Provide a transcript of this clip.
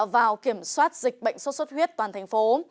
vào kiểm soát dịch bệnh sốt xuất huyết toàn thành phố